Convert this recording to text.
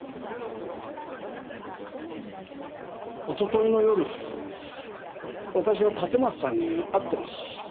おとといの夜私は立松さんに会ってます。